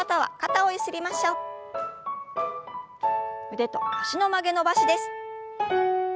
腕と脚の曲げ伸ばしです。